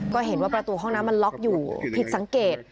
ก็เห็นว่าประตูห้องน้ำมันล็อกอยู่ผิดสังเกต